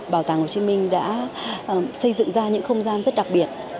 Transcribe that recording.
bảo tàng hồ chí minh đã xây dựng ra những không gian rất đặc biệt